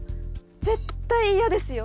絶対嫌ですよ